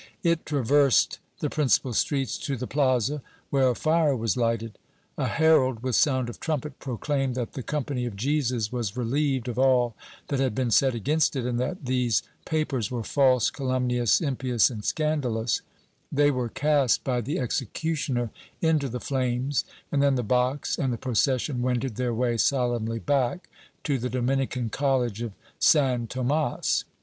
It traversed the principal streets to the plaza, where a fire was lighted ; a herald, with sound of trumpet, proclaimed that the Company of Jesus was relieved of all that had been said against it and that these papers were false, calumnious, impious and scandalous ; they were cast by the executioner into the flames and then the box and the procession wended their way solemnly back to the Dominican College of San Tomas.